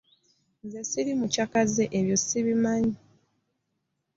Nze ssiri mukyakaze ebyo ssibimanyi.